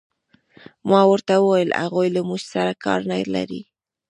ما ورته وویل: هغوی له موږ سره کار نه لري.